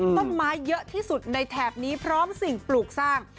ต้นไม้เยอะที่สุดในแถบนี้พร้อมสิ่งปลูกสร้าง